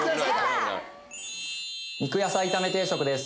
肉野菜炒め定食です。